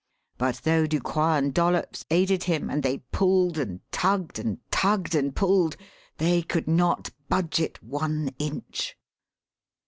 But though Ducroix and Dollops aided him, and they pulled and tugged and tugged and pulled, they could not budge it one inch.